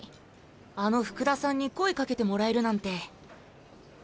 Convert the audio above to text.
あの福田さんに声かけてもらえるなんて。